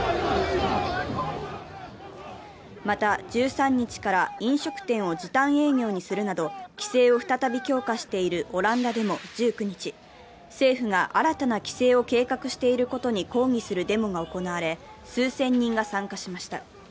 また、１３日から飲食店を時短営業にするなど規制を再び強化しているオランダでも１９日政府が新たな規制を計画していることに抗議するデモが行われ、数千人が参加しました。